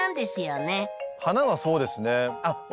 花はそうですね。